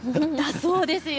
そうですよ。